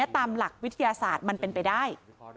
ตามหลักวิทยาศาสตร์มันเป็นไปได้